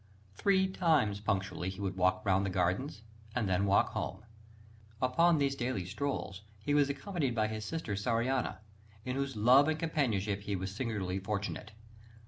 Three times punctually he would walk round the gardens, and then walk home. Upon these daily strolls he was accompanied by his sister Sarianna: in whose love and companionship he was singularly fortunate.